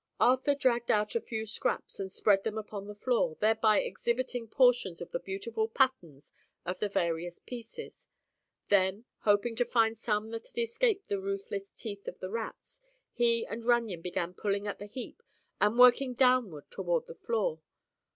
Arthur dragged out a few scraps and spread them upon the floor, thereby exhibiting portions of the beautiful patterns of the various pieces. Then, hoping to find some that had escaped the ruthless teeth of the rats, he and Runyon began pulling at the heap and working downward toward the floor.